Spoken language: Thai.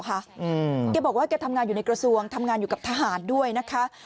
เกี่ยวบอกทำงานในกระทรวงทำงานตามตาหาดด้วยนะคะ